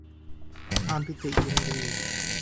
ความปิติยินดี